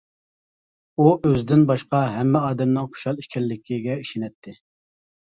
ئۇ ئۆزىدىن باشقا ھەممە ئادەمنىڭ خۇشال ئىكەنلىكىگە ئىشىنەتتى.